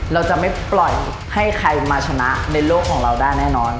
เราจะไม่ปล่อยใครจะมาชนะในโลกผมได้แน่นอน